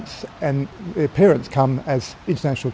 dan ibu bapa mereka datang sebagai pelancong internasional